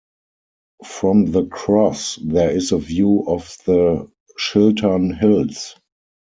From the cross there is a view of the Chiltern Hills.